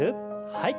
はい。